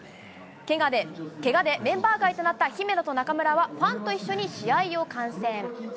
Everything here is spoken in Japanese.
けがでメンバー外となった姫野と中村はファンと一緒に試合を観戦。